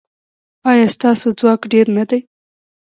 ایا ستاسو ځواک ډیر نه دی؟